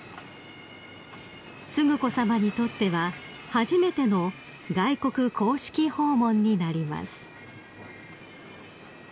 ［承子さまにとっては初めての外国公式訪問になります］